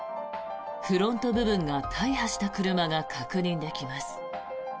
フロント部分が大破した車が確認できます。